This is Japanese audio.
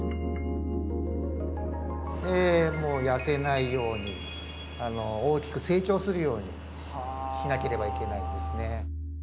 痩せないように大きく成長するようにしなければいけないんですね。